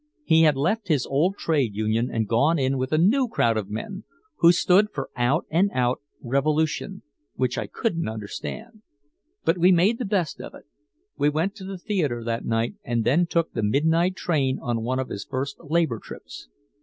He had left his old trade union and gone in with a new crowd of men who stood for out and out revolution which I couldn't understand. But we made the best of it. We went to the theater that night and then he took the midnight train on one of his first labor trips.